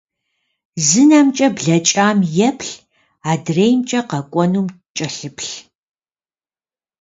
Зы нэмкӏэ блэкӏам еплъ, адреимкӏэ къэкӏуэнум кӏэлъыплъ.